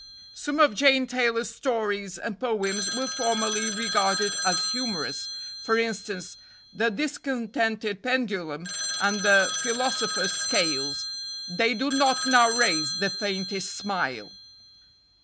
Some of Jane Taylor's stories and poems were formerly regarded as humorous; for instance, the "Discontented Pendulum" and the "Philosopher's Scales." They do not now raise the faintest smile.